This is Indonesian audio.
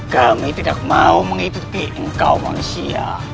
kami tidak mau mengikuti engkau manusia